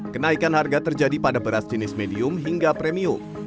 kenaikan harga terjadi pada beras jenis medium hingga premium